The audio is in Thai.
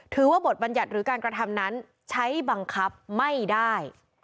ถือว่าบทบัญญัติหรือการกระทำนั้นใช้บังคับไม่ได้